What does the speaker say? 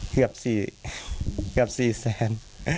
เกือบ๔แสน